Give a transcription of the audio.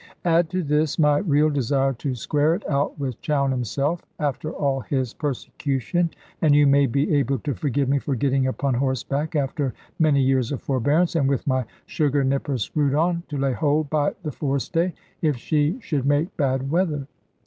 Add to this my real desire to square it out with Chowne himself, after all his persecution, and you may be able to forgive me for getting upon horseback, after many years of forbearance, and with my sugar nippers screwed on, to lay hold by the forestay, if she should make bad weather.